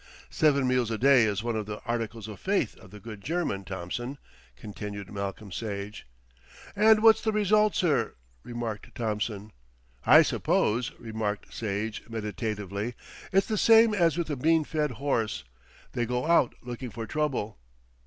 "Seven meals a day is one of the articles of faith of the good German, Thompson," continued Malcolm Sage. "And what's the result, sir?" remarked Thompson. "I suppose," remarked Sage meditatively, "it's the same as with a bean fed horse. They go out looking for trouble."